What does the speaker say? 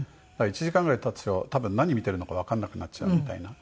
１時間ぐらい経つと多分何見ているのかわからなくなっちゃうみたいな。